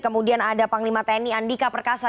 kemudian ada panglima teni andika